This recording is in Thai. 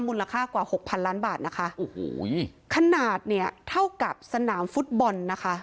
มูลละค่ากว่า๖๐๐๐ล้านบาทขนาดเท่ากับสนามฟุตบอล